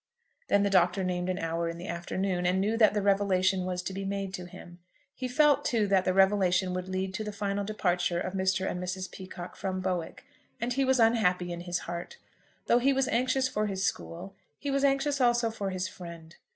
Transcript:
Then the Doctor named an hour in the afternoon, and knew that the revelation was to be made to him. He felt, too, that that revelation would lead to the final departure of Mr. and Mrs. Peacocke from Bowick, and he was unhappy in his heart. Though he was anxious for his school, he was anxious also for his friend.